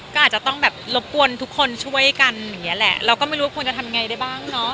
ก็อาจจะต้องรบกวนทุกคนช่วยกันเราก็ไม่รู้ว่าควรจะทำยังไงได้บ้าง